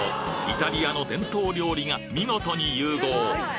イタリアの伝統料理が見事に融合！